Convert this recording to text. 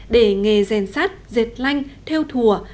để nghề rèn sát dệt lanh theo thùa